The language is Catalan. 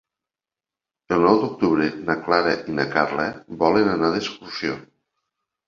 El nou d'octubre na Clara i na Carla volen anar d'excursió.